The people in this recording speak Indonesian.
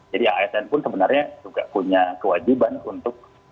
jadi asn pun sebenarnya juga punya kewajiban untuk